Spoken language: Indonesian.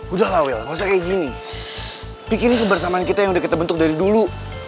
udah lah will kayak gini bikin kebersamaan kita yang kita bentuk dari dulu